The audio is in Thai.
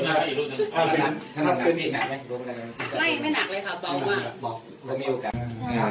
ไม่หนักเลยค่ะปลอมว่า